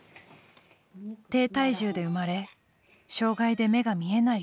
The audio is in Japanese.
低体重で生まれ障害で目が見えない